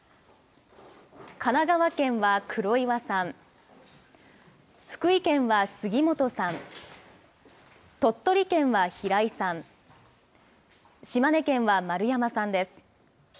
神奈川県は黒岩さん、福井県は杉本さん、鳥取県は平井さん、島根県は丸山さんです。